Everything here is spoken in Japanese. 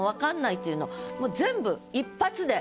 全部一発で。